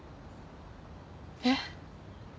えっ？